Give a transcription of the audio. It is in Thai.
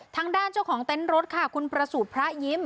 ทางด้านเจ้าของเต็นต์รถค่ะคุณประสูจน์พระยิ้ม